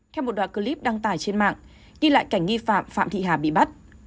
theo một đoạn clip đăng tải trên mạng ghi lại cảnh nghi phạm phạm thị hà bị bắt